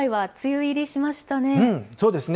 そうですね。